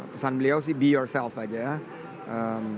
pesan beliau sih be yourself aja